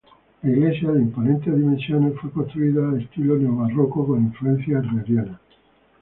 La iglesia, de imponentes dimensiones, fue construida en estilo neobarroco, con influencia herreriana.